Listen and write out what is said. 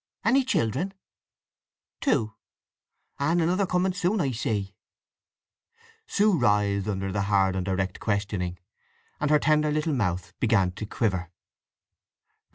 "Any children?" "Two." "And another coming soon, I see." Sue writhed under the hard and direct questioning, and her tender little mouth began to quiver.